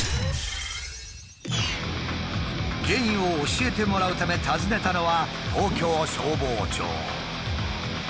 原因を教えてもらうため訪ねたのは東京消防庁。